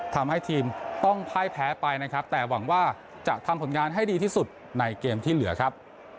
ทำให้ทีมต้องพ่ายแพ้ไปนะครับแต่หวังว่าจะทำผลงานให้ดีที่สุดในเกมที่เหลือครับ